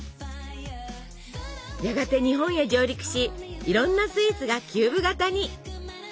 やがて日本へ上陸しいろんなスイーツがキューブ型に！